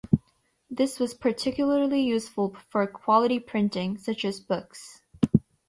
This was particularly useful for "quality" printing - such as books.